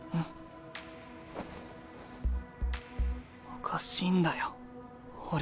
おかしいんだよ俺。